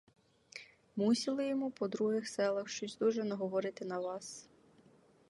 Мусіли йому по других селах щось дуже наговорити на вас.